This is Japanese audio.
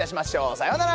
さようなら！